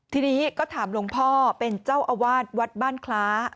ทีนี้ก็ถามหลวงพ่อเป็นเจ้าอาวาสวัดบ้านคล้า